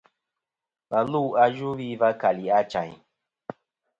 Và lu a Yvɨwi va kali Achayn.